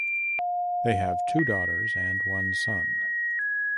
They have two daughters and one son.